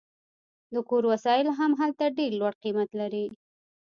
د کور وسایل هم هلته ډیر لوړ قیمت لري